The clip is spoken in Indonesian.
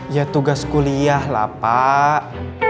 ya tugas kuliah lah pak